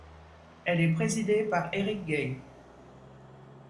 Elle est présidée par Eric Gay.